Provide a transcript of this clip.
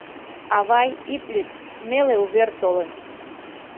— Авай, ит лӱд, неле увер толын.